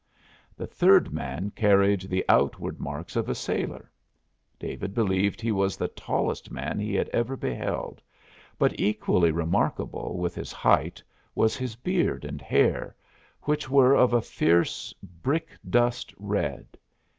The third man carried the outward marks of a sailor. David believed he was the tallest man he had ever beheld, but equally remarkable with his height was his beard and hair, which were of a fierce brick dust red.